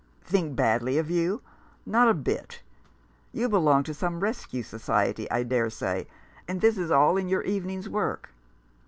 " Think badly of you ! Not a bit. You belong to some rescue society, I dare say, and this is all in your evening's work."